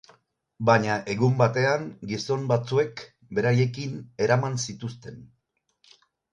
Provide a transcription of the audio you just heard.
Baina egun batean, gizon batzuek beraiekin eraman zituzten.